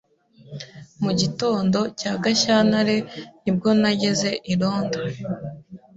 Mu gitondo cya Gashyantare ni bwo nageze i Londres.